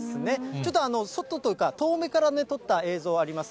ちょっと外とか、遠めから撮った映像あります。